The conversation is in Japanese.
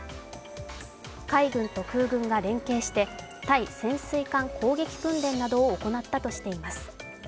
海軍と空軍が連携して、対潜水艦攻撃訓練などを行ったとしています。